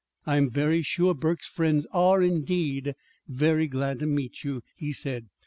"I am very sure Burke's friends are, indeed, very glad to meet you," he said.